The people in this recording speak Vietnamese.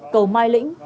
cầu mai lĩnh